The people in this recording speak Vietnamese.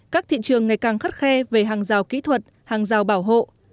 các thị trường ngày càng khắt khe về hàng rào kỹ thuật hàng rào bảo hộ